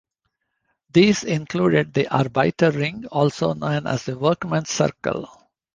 These included the Arbeiter Ring also known as the Workmen's Circle.